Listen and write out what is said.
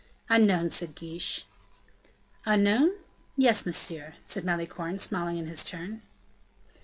"Unknown," said De Guiche. "Unknown? yes, monsieur," said Malicorne, smiling in his turn.